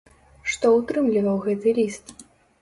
Што ўтрымліваў гэты ліст?